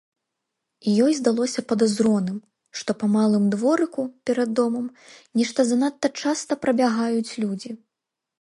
Ёй здалося падазроным, што па малым дворыку перад домам нешта занадта часта прабягаюць людзі.